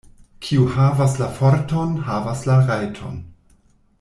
Kiu havas la forton, havas la rajton.